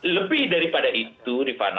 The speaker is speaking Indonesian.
lebih daripada itu